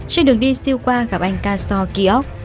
trên đường đi siêu khoa gặp anh kassor kiok